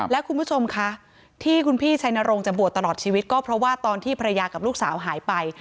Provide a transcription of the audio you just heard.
และคุณผู้ชมคะที่คุณพี่ชัยนรงค์จะบวชตลอดชีวิตก็เพราะว่าตอนที่ภรรยากับลูกสาวหายไป